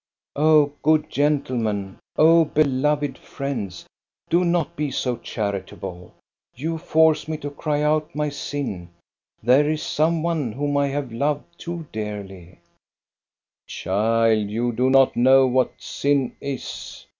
" Oh, good gentlemen ! Oh, beloved friends ! Do not be so charitable. You force me to cry out my 276 THE STORY OF GOSTA BE RUNG sin. There is some one whom I have loved too dearly." Child, you do not know what sin is.